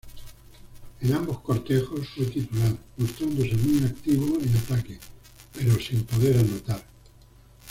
En ambos cotejos fue titular, mostrándose muy activo en ataque, pero sin poder anotar.